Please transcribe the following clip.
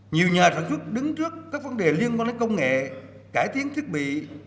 nhiều nhà sản xuất đứng trước các vấn đề liên quan đến công nghệ cải tiến thiết bị